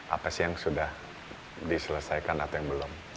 apa sih yang sudah diselesaikan atau yang belum